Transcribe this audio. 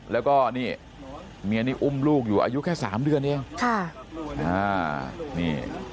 แล้วก็นี่เมียนี่อุ้มลูกอยู่อายุแค่สามเดือนเองค่ะอ่านี่